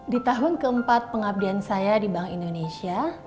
di tahun keempat pengabdian saya di bank indonesia